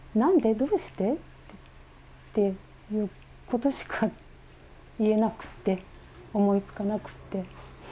どうして？っていうことしか言えなくて、思いつかなくて。